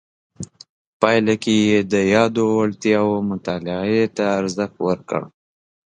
پایله کې یې د یادو وړتیاو مطالعې ته ارزښت ورکړ.